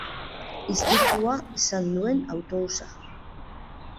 Istripua izan duen autobusa.